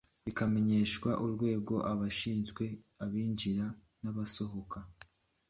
bikamenyeshwa urwego rushinzwe abinjira n'abasohoka "